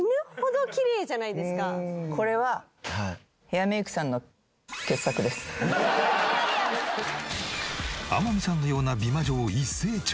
これは。天海さんのような美魔女を一斉調査。